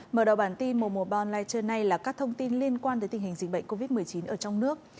mở đầu bản tin mùa mùa online trưa nay là các thông tin liên quan tới tình hình dịch bệnh covid một mươi chín ở trong nước